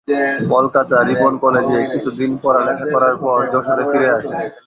Kolkata Ripon কলেজে কিছুদিন পড়ালেখা করার পর যশোরে ফিরে আসেন।